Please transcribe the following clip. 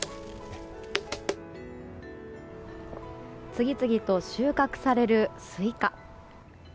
次々と収穫されるスイカ。